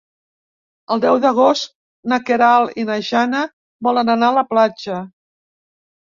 El deu d'agost na Queralt i na Jana volen anar a la platja.